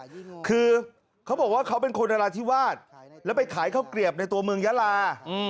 คือเขาบอกว่าเขาเป็นคนนราธิวาสแล้วไปขายข้าวเกลียบในตัวเมืองยาลา